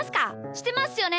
してますよね？